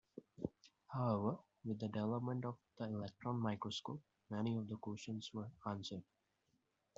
However, with the development of the electron microscope, many of the questions were answered.